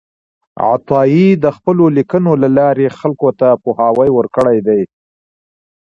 عطایي د خپلو لیکنو له لارې خلکو ته پوهاوی ورکړی دی.